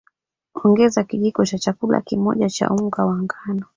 ongeza kijiko cha chakula kimoja cha unga wa ngano